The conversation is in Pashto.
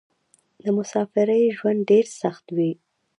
د مسافرۍ ژوند ډېر سخت وې.